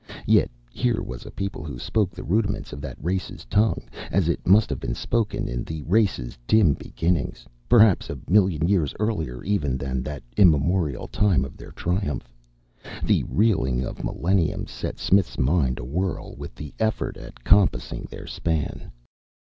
Yet here was a people who spoke the rudiments of that race's tongue as it must have been spoken in the race's dim beginnings, perhaps a million years earlier even than that immemorial time of their triumph. The reeling of millenniums set Smith's mind awhirl with the effort at compassing their span.